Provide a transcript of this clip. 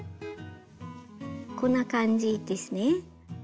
こんな感じですね。